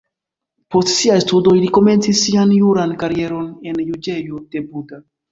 Post siaj studoj li komencis sian juran karieron en juĝejo de Buda.